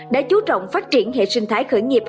đã chú trọng phát triển hệ sinh thái khởi nghiệp